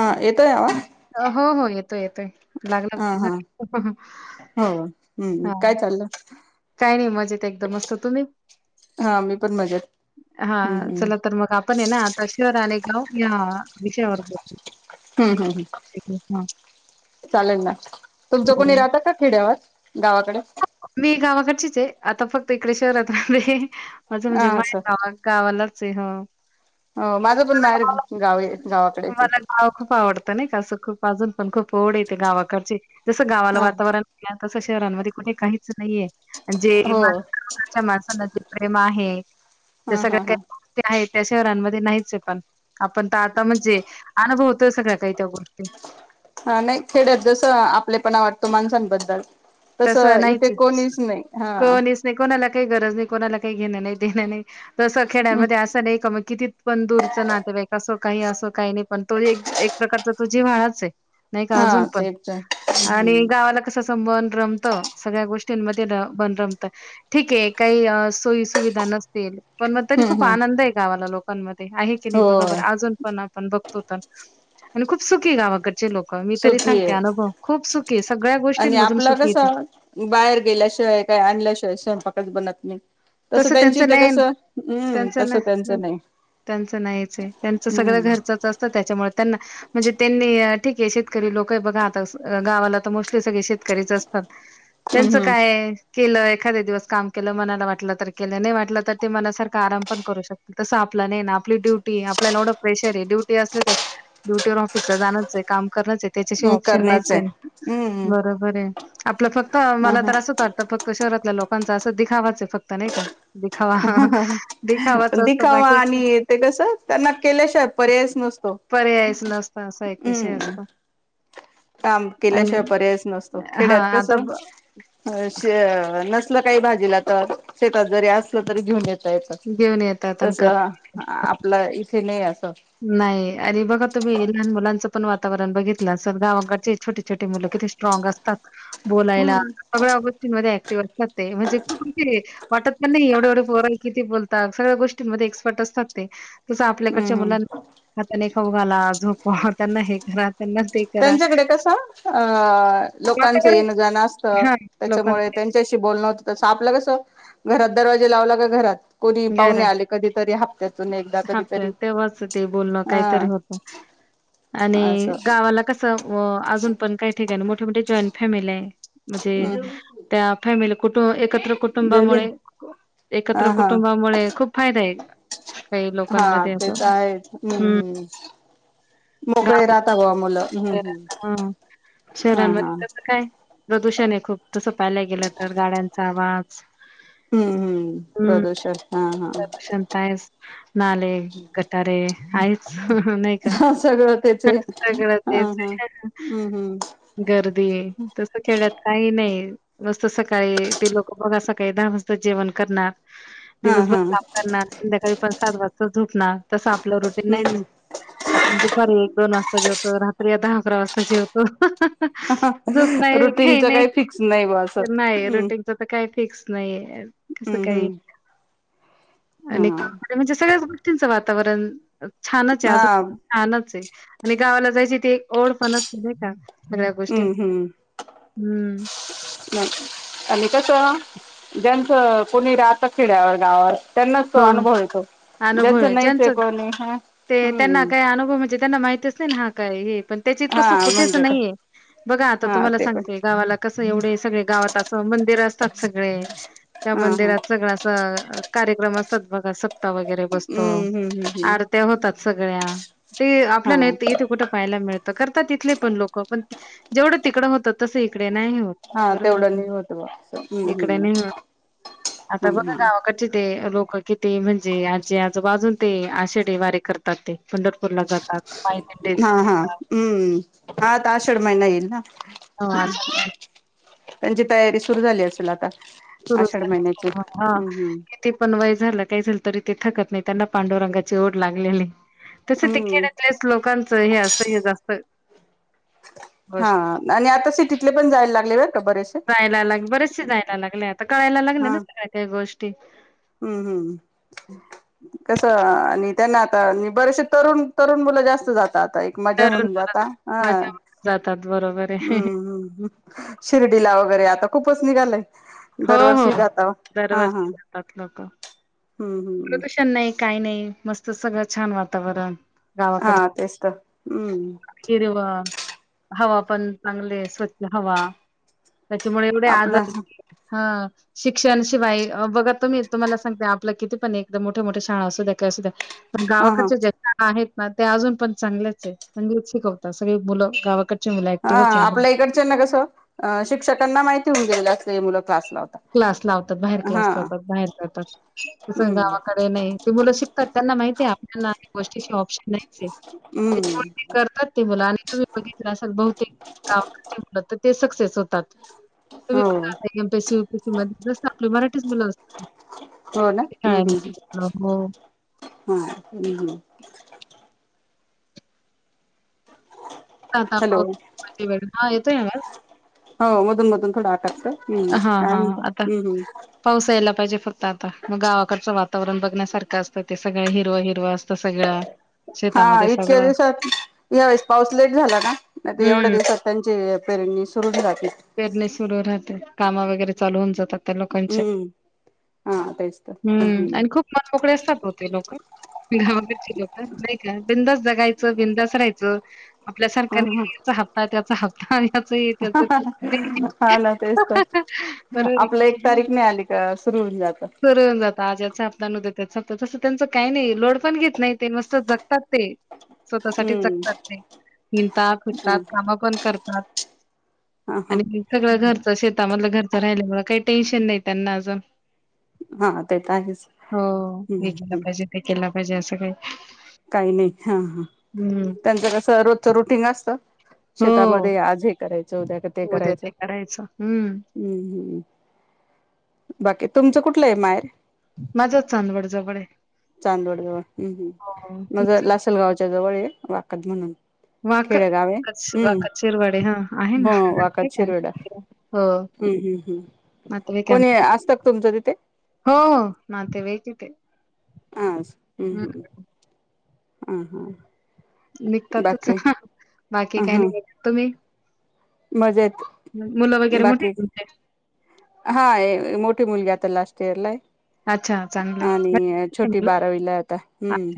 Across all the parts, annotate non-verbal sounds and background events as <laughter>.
हां येतोय आवा हो हो येतोय-येतोय लागला हा हा हो हम्म काय हां. चाललंय काही नाही मजेत एकदम मस्त तुम्ही? हा मी पण मजेत हा हम्म हम्म चला तर मग आपण आहे ना आता शहर आणि <unintelligible> हम्म हम्म. हां. चालेल ना तुमचं कोणी हो. राहत का खेड्यावर गावाकड? गावचीचये आता फक्त इकडे शहरात आले. हा असं <unintelligible> <unintelligible> हो माझं पण मांहेर गावीय गावाकडेचय. मला गाव खूप आवडतं नाही कासं खूप अजून पण खूप ओढ येते. गावाकडची जसं गावाला हा वातावरण <unintelligible> तसं शहरांमध्ये कुठे काही तसं नई जे हो मा <unintelligible> च्या माणसाांना जे प्रेम आहे हम् त्या हा हा सगळ्या हा काइ <unintelligible> त्या शहरांमध्ये नाहीच ये पण पण आता म्हणजे अनुभव तसं काय काही त्या गोष्टी हा नाइ खेड्यात जसं आपलेपना वाटतो माणसांबद्दल तस तसं इते नाहीच कोणीच नाही हा कोणीच नाही कोणाला काही गरज नाही कोणाला काही घेण नाही देणं नाही तसं हम्म खेड्यांमध्ये असं नाइ का मग किती पण दूरचं नातेवाइक असो काही असं काही नाही पण तो एक एक प्रकारचा तु जीव्हाळाच आहे नाही का अजून हा पण तेच आणि हम्म गावाला कसं टंबल रमत सगळ्या गोष्टींमध्ये बन रमत ठीके काही सोयी सुविधा नसतील पण मग तरी हम्म खूप हम्म हम्म आनंद आहे. गावाला लोकांमध्ये आहे की नाही हो बघा बर अजून पण आपण बघतो. आणि खूप सुखी गावाकड लोक मी तरी सुखी सांगते आहे अनुभव खूप सुखी सगळ्या गोष्टींधून चल बाहेर गेल्याशिवाय काय आणल्याशिवाय स्वयंपाक बनत नाही तस तसं त्यांच त्यांची ते नेन कसं हम्म त्यांच न तसं न त्यांचं नाही त्यांच नाहीचेय त्यांच सगळं हम्म. घरचाच असतं त्याच्यामुळे त्यांना म्हणजे त्यांनी ठीक आहे शेतकरी लोक बघा आता गावाला तर मोस्टली सगळे शेतकरीच असतात. त्यांचं हम्म काय? केलं एखाद्या दिवस काम केलं मनाला वाटलं तर केलं नाही वाटलं तर ते मला सारख आराम पण करू शक तसं आपला न ना आपली डुटी आपल्याला एवढं प्रेशर आहे ड्युटी असले ते ड्युटीवर ऑफिसला जाणचेय काम खरंचेय ते त्याच्याशिवाय हम्म ऑप्शन करणाच आहे नाहीचेय हम्म बरोबरे आपलं फक्त अं मला हम्म तर असंच वाटत फक्त शहरातल्या लोकांचा असं दिखावाचं आहे फक्त. का नाही सा हं हं हं असतो दिखावा बाकी आणि ते कसं त्यांना केल्याशिवाय पर्यायच नसतो पर्यायच नसत असा एक विषय हम् असतो काम आणि केल्याशिवाय पर्यायच नसतो हा खेड्यात कस आता अ ब- नस सकाळी भाजीला तर शेतात जरी असलं तरी घेऊन जाता घेऊन येतात आणि तस कर आपलं इ <unintelligible> नाही अरे बघा तुम्ही लहान मुलांचं पण वातावरण बघितलं तर गावाकडची छोटी छोटी मुलं किती स्ट्रॉंग असतात. बोलायला हम्म सगळ्या गोष्टींमध्ये ते म्हणतात ना ते म्हणजे वाटत पण नाही एवढे एवढे पोर किती बोलतात सगळ्या गोष्टी मध्ये एक्सपर्ट असतात ते तेच हम्म आपल्याकडच्या हम्म मुलां हाताने खाऊघाला झोपवा त्यांना हे घरात त्यांच्याकडे कसं अं लोकांचं वातावरण येण जाणं असतं हां, त्याच्यामुळे लोकांचे त्यांच्याशी बोलणं होतं तसं आपलं कसं घरात दरवाजे लावला का घरात कोणी पाहुणे घरात आले कधीतरी हप्त्यातून एकदा कधीतरी हाप्त्यात तेव्हाच ते बोलणं हा काहीतरी होत आणि असं गावाला कस व अजून पण काही ठिकाणी मोठे मोठे जॉईंट फॅमिली आहे. म्हणजे हम्म त्या मेल कुठून ये एकत्र जेवली कुटुंबामुळे ना एकत्र हा कु हा टुंबामुळे खूप फायदा आहे काही हा लोकांमध्ये अस ते तर आहेच हम्म हम् हम्म मोकळे राहता बुवा मुलं हम्म हम्म हा हा शहरांमध्ये कसं काय प्रदूषण आहे खूप तसं पाहिला गेलं तर गाड्यांचा आवाज हम्म हम्म प्रदषण लक्षण काय अस नाले गटारे आहेच हा हा नाही का हा सगळं त्याचे हा सगळं तेच हा हम्म हम्म गर्दी तस खेड्यात काही नाही नुस्त सकाळी ते लोक बघा सकाळी दहा वाजता जेवण करणार हा दिवसभर हा काम करणार संध्याकाळी परत सात वाजता झोपणार तसं आप लं रुटीन नाहीच हम्म आहे आपण दुपारी एक दोन वाजता होत रात्री आता अकरा वाजता जेवतो हा झोप हम्म नाही काही रुटीनच नाही फिक्स नाही बा असं नाही हम्म रुटीनच तर काही फिक्स नाही आहे कस हम्म काय. हम्म आणि म्हणजे सगळ्याच गोष्टी वातावरण छानच हा आहे हा अजून छानच आहे आणि गावाला जायची. ते ओढ पणत का. सगळ्या गोष्टी हम्म हम्म हम्म आणि कस ज्या तर कोणी राहतात खिड्यावर गावावर. त्यांनाच तो हो. अनुभव येतो अनुभव ज्यांचं नाहीचय ज्यांच आहे कोणी हा हम्म. <unintelligible> हां काय ये पण त्याचे इतकं हा सुख कुठेच म्हणजे काय नाहीये. बघा आता हा तुम्हाला ते पण सांगते गावाला क स एवढे सगळे गावात असं मंदिर अस तात सगळे त्या हा हा मंदिरात सगळं असं अ कार्यक्रम अस तात बघ सत <unintelligible> वगैरे बसतो, हम्म हम्म हम्म हम्म आरत्या होतात. सगळ्या ते आपल्या नाहीत हा इथे कुठे पाहायला मिळत. करतात इथले पण लोकं पण जेवढं तिकडं होतं तसं इक डे नाही होत हा बरोबर आहे क तेवढं नाही? होत बा असं इकडे हम्म नाही होत हम्म आता हा बघा हा गावाकडचे ते लोकं की ते म्हणजे आजी-आजोबा अजून ते आषाढी वारी करतात ते पंढरपूरला जातात. पायी दिंडी हां हां करतात हम्म. हां आता आषाढ महिना येईल ना? हम्म हो हम्म. त्यांची तयारी सुरू झाली असेल आता. <inaudible> आषाढ महिन्याची हम्म किती पण वय झालं काय झाल. तरी ते थकत नाही. त्यांना पांडुरंगाची ओढ लागलेली. तसे हम्म ते हम्म खेड्यातले लोक नच हे असत हे जास्त.. हा गोष्ट आणि आता सिटीतले पण जायला लागले बर का बरेसे. जायला लाग बरेचसे जायला आता कळायला लागले ना. सगळ्या काही गोष्ट ते. हम्म. हम्म. कस. आणि त्यांना आता बरेशे तरुण-तरुण मुलं जास्त जात तात आता. एक मजा तरुण म्हणून मुलं जाता. हा माझ्या जातात बरोबर आहे हम्म. हम्म्. शिर्डीला वगैरे आता खूपच निघालय. हो, हो, दरवर्षी जाता हा हा दरवर्जी जातात लोकं. हम्म. हम्म. काही नाही. मस्त सगळं छान वातावरण. हा तेच तर, हम्म. हिरवं. हवा पण चांगले स्वच्छ हवा. त्याच्यामुळे एवढे आपलं आजार हां. शिक्षण शिवाय बघा तुम्ही तुम्हाला सांगते आपलं किती पण एकदा मोठ्या मोठ्या शाळा असू द्या काय असू द्या पण हा हा गावाकडच्या ज्या आहेत. म ते अजून पण चांगलच आहे. हंणि शिकवतात सगळी मुलं गावाकड हां आपल्या इकडच्या ना कसं शिक्षकांना माहिती होऊन गेल्यात. ते मुलं फास क्लास लावतात बाहेर क्लास लावतात बाहेर जातात तसं हम्म गावाकडे नाही ती मुलं शिकतात त्यांना माहितीय आपल्याला गोष्टीशी ऑप्शन नाही. चे हम्म त्याच्यावरती करतात ती मुलं आणि तुम्ही बघितलं असाल बहुतेक गावाकडची त ते सक्सेस होतात. तुम्ही हो बघा आता एम टू सू. तीतूनच जसं आपली मराठीच मुलं अस हो ना हम्म हो हम् हा. हम् हम. काता हॅलो पाव <unintelligible> आणि ब्रेड आहेत तोय आवाज? हो मधून मधून थोडं आटकतंय. हा काय हा म्हणताय? हम्म. ताता म गावाकडचं वातावरण बघण्यासारखं असतं ते सगळं हिरवं हिरवं असतं सगळं. हा शेतामध्ये इतक्या सगळं दिवसात यावेळेस पाऊस लेट झा <unintelligible> नायत एवढ्या दिवसात त्यांचे पेरणी सुरू झा पेरणि सुरू राहते. कामं वगैरे चालू होऊन जातात. त्या लोकांचे हम्म हा आता ये हम्म आणि खूप मन मोकळे असतात. बहुतेक हो का? <unintelligible> ती घाव कडची लोक नाही का बिनधास जग खायच बिंदास रायचं. आपल्यासारखा नाही हम्म <unintelligible> याचा हापपाय त्याचा हाक <unintelligible> हा ना तेच बरोबर तर आहे आपलं एक की? तारीख नाही आली का सुरू होऊन जात. सुरु हुन जात आज याचा हप्ता न ऊद्या त्याचा प्ता तस त्यांच काही नाही लोड पण घेत नाही ते मस्त जगतात ते. स्वतःसाठी हम्म जगतात ते हिणता फिरतात काम पण करतात हा हा आणि सगळं घरचं शेतामधलं घरचं राहिल्यामुळ काही टेन्शन नाही त्यांना अजन हा ते तर आहेच. हो हे केला हम्म पाहिजे ते केलं पाहिजे असं काही काही नाही हा हा हम्म त्यांचं कस रोजच रुटीन असतं. हो शेतामध्ये आज हे <unintelligible> चौदा का ते करायचं हम्म- हम्म बाकी तुमचं कुठलं ए मायेर? माझं चांदवडजवळ ए चांदवड जवळ हम्म-हम्म माझ तुमचं लासलगावच्या जवळ ये वा कदमनन वाक - वाकातचेशशिरवाडे हा आहे ना हो वाकद शिरोडा <unintelligible> हो हम्म हम्म हम्म नातेवाईके आम कोणी असतं का तुमचं तिथे हो नातेवाईक तिथे अंस हम्म- हम्म हा- हा निघतातच बाकी हा बाकी ह काय हा नाही. तुम्ही? मजेत. मुलं वगैरे मोठे बाकी? आहेत तुमचे? हा ए मोठी मुूलगी आत ता लास्ट इयरलाये अच्छा चांगलं आहे आणि छोटी मुलं? बारावीला आता हम्म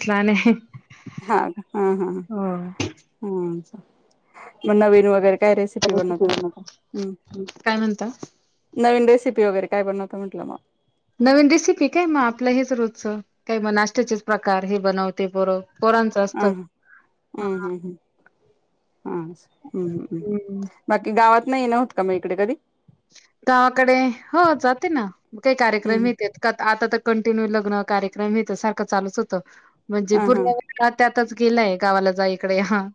लानेहे हा हो म नवीन वगैरे काय रेसिपी बनवता? हं काय म्हणता? नवीन रेसिपी वगैरे काय बनव त म्हटला मा नवीन रेसिपी काय म आपलं हेच रोजचं काय म नाशत्याचेच प्रकार हे बनव ते बरव पोरांचं ह असत ह हम्म हम्म हम्म हा हम््म् बाकी गावात नाही नव्हत का मग इकडे कधी गावाकडे हो जाते ना काही कार्यक्रम हम्म येते आता तर कंटिन्यू लग्न कार्यक्रम येत सारखं चालूच होतं म्हणजे हा हा पूर्ण त्या आताच गेलाय गावाला जा इकडे हा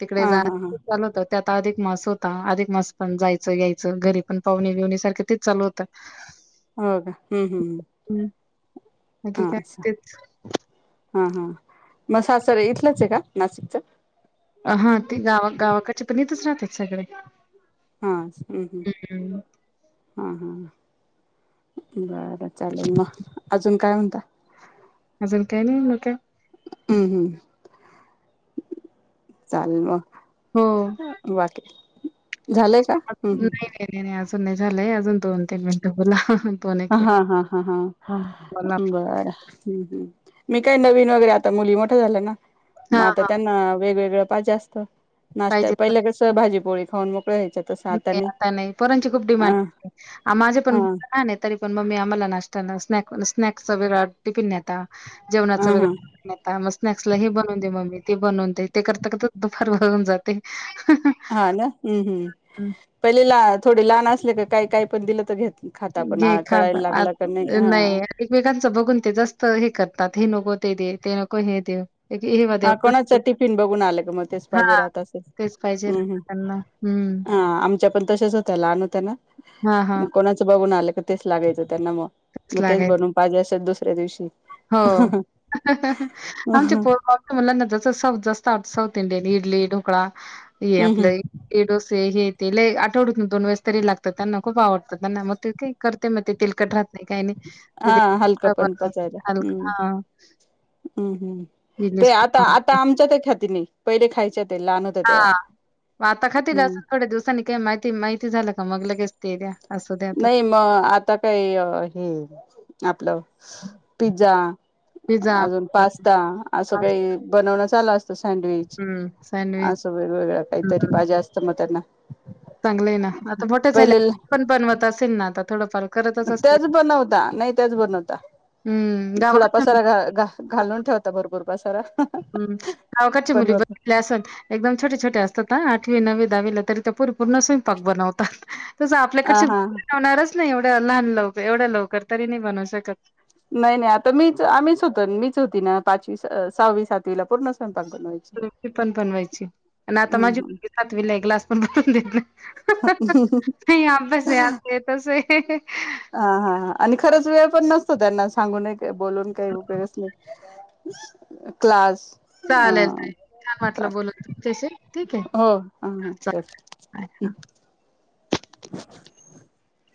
तिकडे हा जा हा हा चालू होत त्यात आता अधिक मास होता, अधिक मास पण जायचं यायचं घरी पण पाहुणे-बिहुणे सारखं तेच चालू होतं. हो का? हम्म हम्म हम्म. बाकी काय तेच हां हां मग सासर इथलंच आहे का नाशिकच? अ हां ते गावा गावाकडचे पण इथेच राहतात सगळे हां हम्म हम्म. हां हां हां. बरं चालेल मग अजून काय म्हणता? अजून काय नाही <unintelligible> हम्म हम्म. चालेल म. हो बाकी? झालंय का? हम्म हम्म. नाही नाही नाही नाही नाही झालंय अजून दोन तीन मिनटं बोला. दोन एक अ मिनिट. हां हां हां हां हां बर हम्म हम्म. मी काय नवीन वगैरे आता मुली मोठ्या झाल्या ना? म हा आता हा त्यांना वेगवेगळं पाहिजे असतं. नाश्त्या पाहिजे. पहिल्या कसं भाजीपोळी खाऊन मोकळ्या व्हायच्या तसं आता नाही पोरांची खूप डिमांड हां आहे. आ माझे पण हां. मुलं लहान आहे तरी पण मम्मी आम्हाला नाश्ता न स्नॅक स्नॅक्सच वेगळा टिफिन न्हेता. जेवणाचा हा वेगळा हा न्हेता मग स्नॅक्सला हे बनवुन दे मम्मी. ते बनवून दे ते करता दुपार हो ऊन जाते. हां ना हम्म हम्म हं, पहिलेला थोडे लहान अस ले का काय काय पण दिलं तर घे <unintelligible> नाही हा एकमेकांचं बघून ते जास्त हे कर ततात हे नको ते दे ते नको हे दे. एक हेवा हां देवा कोणाच टिफिन बघून आलं का मग तेच पाहिजे हा राहत असेल. तेच पाहिजे हम्म राहतं हम्म त्यांना हम्म हां आम च्या पण तशाच होत्या लहान होत्या ना हा हा कोणाचं बघून आलं तेच लागायचं. त्यांना म मग तेच बनवून पाहिजे असेल दुस ऱ्या दिवशी. हो हम्म आमच्या <unintelligible> ला जसं साऊथ जास्त आतं साऊथ इंडियन इडली ढोकळा. ये हम्म आपलं डोसे हे. ते लई आठवड्यातन दोन वेळस तरी लागतं त्यांना खूप आवडतं त्यांना मग ते का करते मग तेल कट राह. नाही काही नाही हा तरी हलकं पण <unintelligible> पचायला अ हा. हम्. ते आता आता आमच्या त्या ख्यातीने पहिले खायचे. हा आता खाते हम्म. असून थोड्या दिवसांनी काही माहिती माहिती झालं. समग्ल कस्तीय्या नाही मग आता काही हे आपलं पिझ्झा पिझ्झा, अजून बर्गर पास्ता असं काही बनवण चालू अस. सँडविच हं. सँडविच असं वेगवेगळ्या काहीतरी भाज्या असतं मग त्यांना चांगलंय ना आता मोठे पहिले झाल्या आपण पण असेल ना थोडा फरक. त्याच बनवता नाही त्याच बनवता हं. थोडा गावाकडच्या पसारा घा घ घालून ठेवता भरपूर पसारा. हम् गावकाचे पण मुली मग बघितले असून एकदम छोटे छोटे असतात ना. नववी दहावीला तरी पूर पूर्ण बनवतात त ह आपल्याकड हा लाणारच. नाही एवढ्या लहान लवकर एवढ्या लवकर तरी नाही बनू शकत. नाही नाही आता मीच आम्हीच होतो मीच होती ना पाचवी सहावी सातवीला पूर्ण सं ती पण बनवायची आणि आता माझी हम्म मुलगी सातवी ला ग्लास पण बनून देत हम्म अभ्यास आहे अ ह. हा हा आणि खरंच वेळ पण नसतो त्यांना सांगून बोलून काही उपयोग अच नाही. <inaudible> क्लास. अ चालेल चालेल छान वाटल चाल बोलुन तुम‌च्यशी ठीक हो हा हा आहे तेच. चला बाय हा. <inaudible>